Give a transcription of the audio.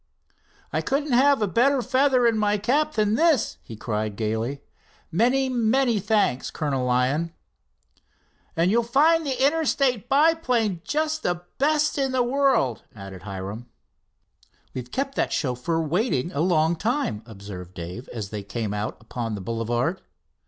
"I couldn't have a better feather in my cap than this," he cried gaily. "Many, many, thanks, Colonel Lyon." "And you'll find the Interstate biplane just the best in the world," added Hiram. "We've kept that chauffeur waiting a long time," observed Dave, as they came out upon the boulevard.